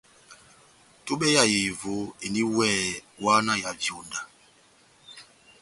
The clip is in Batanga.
Túbɛ ya ehevo endi weeeh wáhá na ya vyonda.